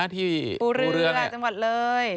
ที่ภูเรือจังหวัดเลย